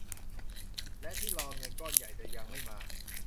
และที่รอเงินก้อนใหญ่จะยังไม่มา